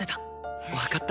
わかった！